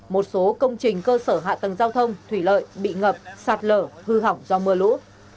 một số công trình cơ sở hạ tầng giao thông thủy lợi bị ngập sạt lở hư hỏng do mưa lũ